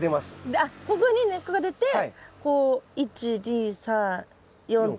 あっここに根っこが出てこう１２３４と。